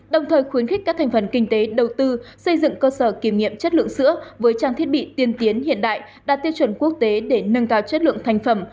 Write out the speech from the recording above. đồng thời khuyến khích các thành phần kinh tế đầu tư xây dựng cơ sở kiểm nghiệm chất lượng sữa với trang thiết bị tiên tiến hiện đại đạt tiêu chuẩn quốc tế để nâng cao chất lượng thành phẩm